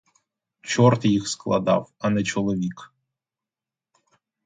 Чорт їх складав, а не чоловік.